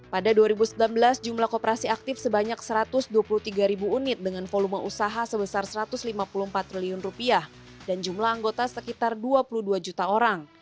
pada dua ribu sembilan belas jumlah kooperasi aktif sebanyak satu ratus dua puluh tiga ribu unit dengan volume usaha sebesar satu ratus lima puluh empat triliun dan jumlah anggota sekitar dua puluh dua juta orang